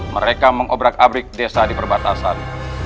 mereka mengobrak abrik desa di perbatasan